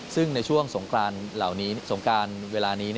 ซึ่งในช่วงสงการเวลานี้